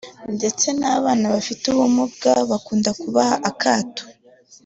ndetse n’abana bafite ubumuga bakunda kubaha akato